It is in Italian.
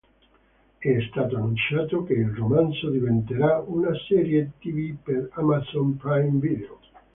È stato annunciato che il romanzo diventerà una serie tv per Amazon Prime Video.